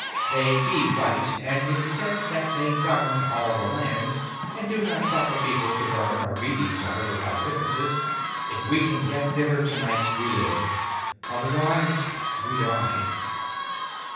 They be white, and it is said that they govern all the land, and do not suffer people to burn or beat each other without witnesses. If we can get thither to night, we live. Otherwise we die."